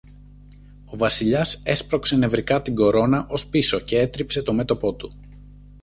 Ο Βασιλιάς έσπρωξε νευρικά την κορώνα ως πίσω κι έτριψε το μέτωπο του